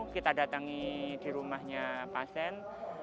kita datangi di rumahnya pasien